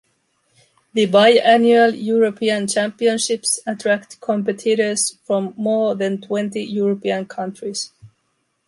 The bi-annual European Championships attract competitors from more than twenty European countries.